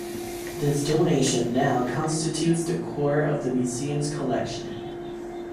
This donation now constitutes the core of the museum's collection.